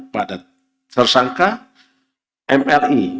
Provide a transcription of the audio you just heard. pada tersangka mli